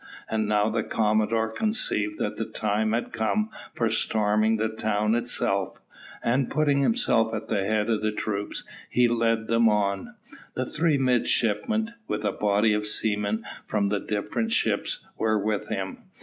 And now the commodore conceived that the time had come for storming the town itself, and, putting himself at the head of the troops, he led them on. The three midshipmen, with a body of seamen from the different ships, were with him.